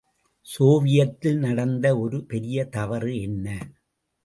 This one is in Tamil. சோவியத்தில் நடந்த ஒரு பெரிய தவறு என்ன?